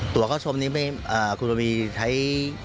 ตัวเข้าชมนี้คุณระวีใช้